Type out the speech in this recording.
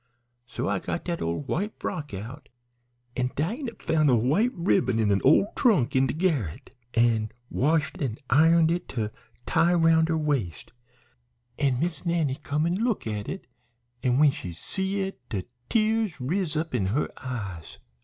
So I got dat ole white frock out, an' Dinah found a white ribbon in a ole trunk in de garret, an' washed an' ironed it to tie 'round her waist, an' Miss Nannie come an' look at it, an' when she see it de tears riz up in her eyes.